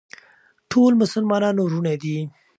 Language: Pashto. ټول مسلمانان وروڼه دي.